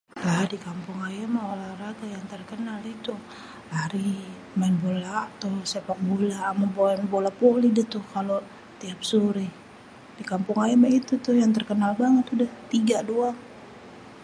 lah dikampung ayè mèh olahraga yang terkenal itu, lari, main bola, amè maèn bola voli dah tuh setiap sorè dikampung ayè mèh itu tuh yang terkenal banget tiga doang.